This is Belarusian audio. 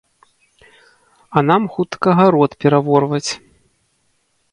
А нам хутка гарод пераворваць.